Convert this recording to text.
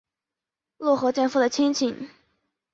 落合建夫的亲戚。